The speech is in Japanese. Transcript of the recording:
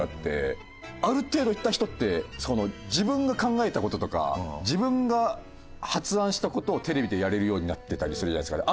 ある程度いった人って自分が考えた事とか自分が発案した事をテレビでやれるようになってたりするじゃないですか。